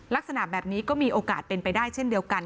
ลักษณะแบบนี้ก็มีโอกาสเป็นไปได้เช่นเดียวกัน